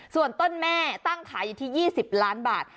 ส่วนต้นแม่ตั้งขายอยู่ที่๒๐ล้านบาท